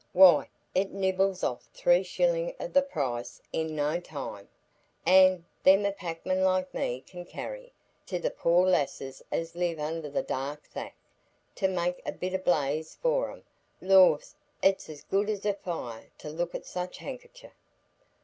Why, it nibbles off three shillin' o' the price i' no time; an' then a packman like me can carry 't to the poor lasses as live under the dark thack, to make a bit of a blaze for 'em. Lors, it's as good as a fire, to look at such a hankicher!"